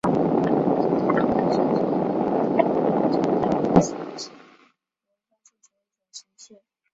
政党政治是指一个国家通过政党来行使国家政权的一种形式。